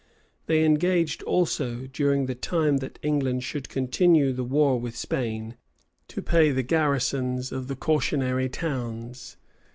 They engaged also, during the time that England should continue the war with Spain, to pay the garrisons of the cautionary towns.